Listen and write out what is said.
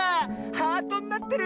ハートになってる！